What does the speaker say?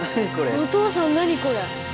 お父さん何これ？